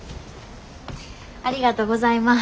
ありがとうございます。